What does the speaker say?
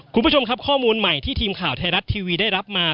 คุณผู้ชมครับข้อมูลใหม่ที่ทีมข่าวไทยรัฐทีวีได้รับมา